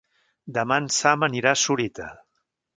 Demà en Sam anirà a Sorita.